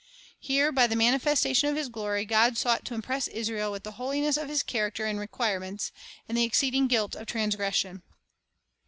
1 Here, by the manifestation of His glory, God sought to impress Israel with the holiness of His character and requirements, and the exceeding guilt of transgression.